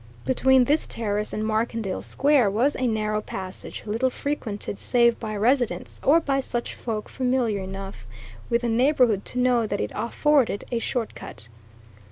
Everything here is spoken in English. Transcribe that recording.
Between this terrace and Markendale Square was a narrow passage, little frequented save by residents, or by such folk familiar enough with the neighbourhood to know that it afforded a shortcut.